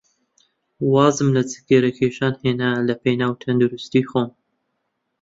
وازم لە جگەرەکێشان هێنا لەپێناو تەندروستیی خۆم.